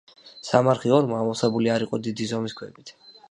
სამარხი ორმო ამოვსებული არ იყო დიდი ზომის ქვებით.